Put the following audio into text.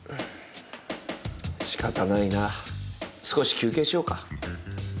仕方ないな少し休憩しようか。